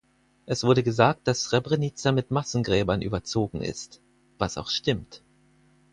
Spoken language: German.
Es wurde gesagt, dass Srebrenica mit Massengräbern überzogen ist, was auch stimmt.